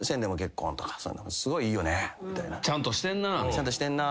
「ちゃんとしてんな」